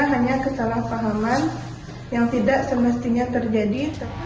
hanya kesalahpahaman yang tidak semestinya terjadi